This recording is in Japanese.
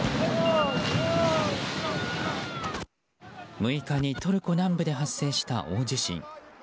６日にトルコ南部で発生した大地震。